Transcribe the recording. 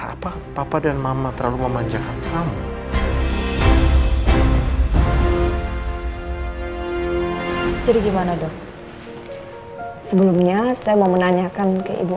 apa papa dan mama terlalu memanjakan kamu